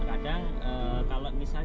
nah cuma kalau mereka gak ada